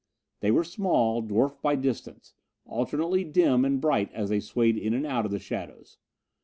They were small, dwarfed by distance, alternately dim and bright as they swayed in and out of the shadows.